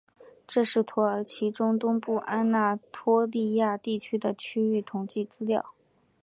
这是土耳其中东部安那托利亚地区的区域统计资料。